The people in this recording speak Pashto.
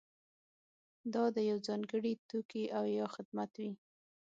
دا د یوه ځانګړي توکي او یا خدمت وي.